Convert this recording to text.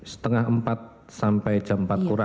setengah empat sampai jam empat kurang